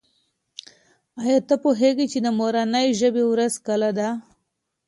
آیا ته پوهېږې چې د مورنۍ ژبې ورځ کله ده؟